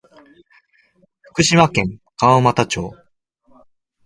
福島県川俣町